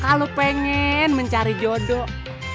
kalo pengen mencari jodoh